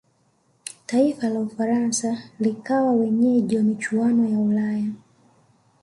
taifa la ufaransa likawa wenyeji wa michuano ya ulaya